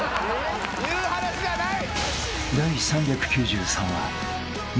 ・言う話じゃない。